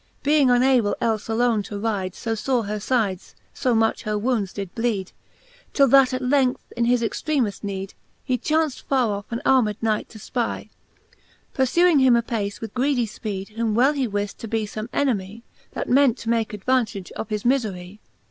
Being unhable elfe alone to ride; So lore her fides, io much her wounds did bleeder Till that at length, in his extreameft neede, He chaunft far off an armed Knight to fpy, Purfuing him apace with greedy fpeede, Whom well he wift to be ibme enemy, That meant to make advantage of his mifery.